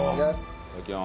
いただきます。